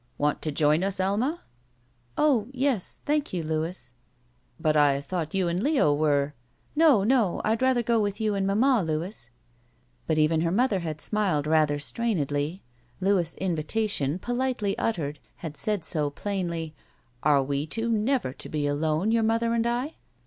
"Want to join us, Ahna?" 0h — yes — ^thank you, Louis." "But I thought you and Leo were —" "No, no. I'd rather go with you and mamma, Louis." Even her mother had smiled rather strainedly. Louis' invitation, politely uttered, had said so plainly, "Are we two never to be alone, your mother and I?"